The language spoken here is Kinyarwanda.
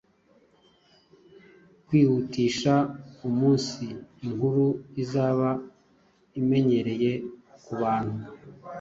kwihutisha umunsi inkuru izaba imenyereye kubantu